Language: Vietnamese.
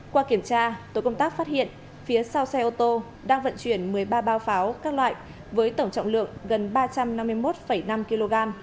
qua kiểm tra tối công tác phát hiện phía sau xe ô tô đang vận chuyển một mươi ba bao pháo các loại với tổng trọng lượng gần ba trăm năm mươi một năm kg